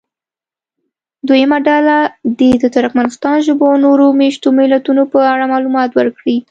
دویمه ډله دې د ترکمنستان ژبو او نورو مېشتو ملیتونو په اړه معلومات ورکړي.